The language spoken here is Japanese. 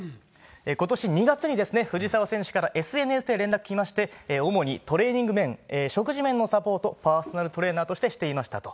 ことし２月に藤澤選手からＳＮＳで連絡来まして、主にトレーニング面、食事面のサポート、パーソナルトレーナーとしてしていましたと。